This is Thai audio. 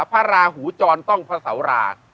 พระราหูจรต้องพระเสาราช